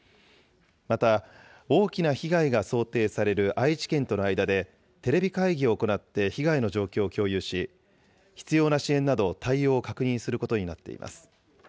また、大きな被害が想定される愛知県との間でテレビ会議を行って被害の状況を共有し、必要な支援など、対応を確認することになっています。